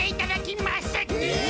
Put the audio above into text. え？